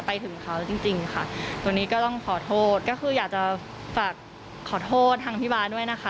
ไปถึงเขาจริงจริงค่ะตัวนี้ก็ต้องขอโทษก็คืออยากจะฝากขอโทษทางพี่บาทด้วยนะคะ